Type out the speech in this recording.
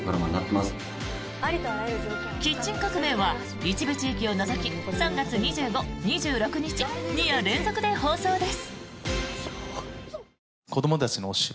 「キッチン革命」は一部地域を除き３月２５日、２６日２夜連続で放送です。